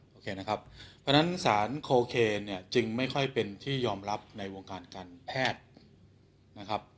เพราะฉะนั้นสารโคเคนจึงไม่ค่อยเป็นที่ยอมรับในวงการการแพทย์